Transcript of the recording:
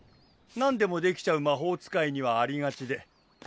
何でもできちゃう魔法使いにはありがちで。